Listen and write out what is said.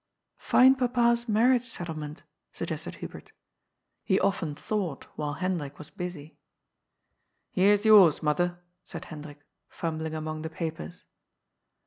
Find Papa's marriage settlement," suggested Hubert. He often thought, while Hendrik was busy. ^ Here is yours, mother," said Hendrik, fumbling among the papers.